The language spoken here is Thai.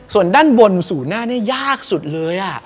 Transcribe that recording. ส่วนด้านบนสู่หน้านี่ยากสุดเลย